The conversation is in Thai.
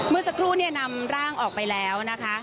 เมื่อสักครู่เนี่ยนำร่างออกไปแล้วนะคะ